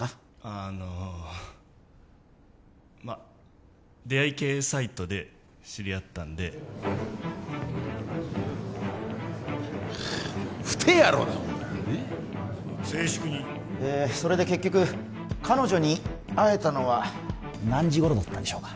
あのまっ出会い系サイトで知り合ったんでふてえ野郎だホントにね静粛にえーそれで結局彼女に会えたのは何時頃だったんでしょうか？